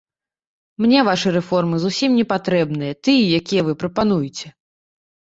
Мне вашы рэформы зусім не патрэбныя, тыя, якія вы прапануеце!